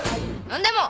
何でも。